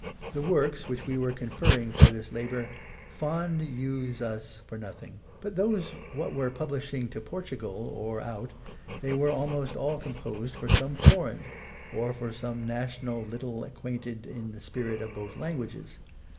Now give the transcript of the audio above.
The Works which we were confering for this labour^ fond use us for nothing; but those what were publishing to Portugal^ or out, they were almost all composed for some foreign, or for some national little acquainted in the spirit of both languages.